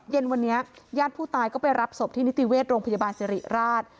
เย็นวันนี้ญาติผู้ตายก็ไปรับศพที่นิติเวชโรงพยาบาลสิริราช